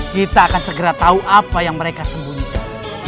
kita akan segera tahu apa yang mereka sembunyikan